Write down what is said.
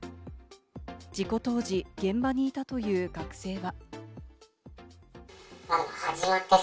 事故当時、現場にいたという学生は。